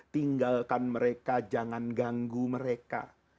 tinggalkan mereka jangan ganggu mereka